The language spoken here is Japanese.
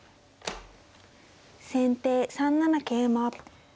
先手３七桂馬。